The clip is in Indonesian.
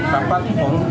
dapat orang pemerintah